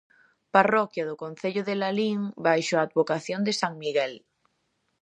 Parroquia do concello de Lalín baixo a advocación de san Miguel.